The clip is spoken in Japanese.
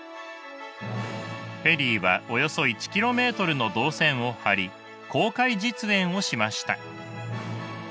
ペリーはおよそ１キロメートルの銅線を張り公開実演をしました。